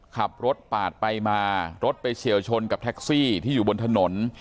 ขับรถปาดไปมารถไปเฉียวชนกับแท็กซี่ที่อยู่บนถนน